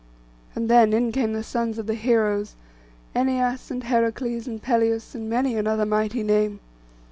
And then in came the sons of the heroes, Æneas, and Heracles, and Peleus, and many another mighty name.